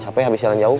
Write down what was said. capek habis jalan jauh